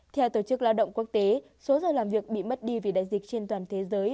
theo tổ chức lao động quốc tế số giờ làm việc bị mất đi vì đại dịch trên toàn thế giới